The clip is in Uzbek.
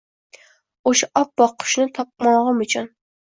O’sha oppoq qushni topmog’im uchun…